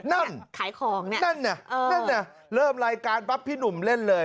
นั่นนั่นเริ่มรายการปั๊บพี่หนุ่มเล่นเลย